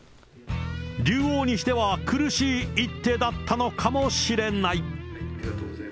竜王にしては、苦しい一手だったのかもしれない。